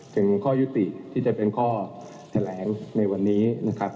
ถึงข้อยุติที่จะเป็นข้อแถลงในวันนี้นะครับ